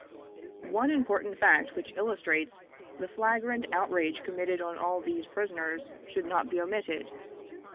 One important fact which illustrates the flagrant outrage committed on all these prisoners should not be omitted.